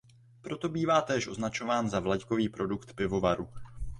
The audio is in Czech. Proto bývá též označován za vlajkový produkt pivovaru.